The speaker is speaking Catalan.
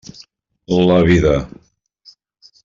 La vida.